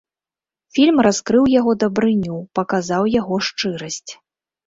Фільм раскрыў яго дабрыню, паказаў яго шчырасць.